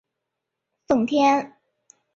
奉天城市中划出商埠地以供外国人经商居住。